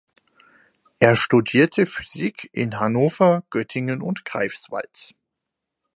Er studierte Physik in Hannover, Göttingen und Greifswald.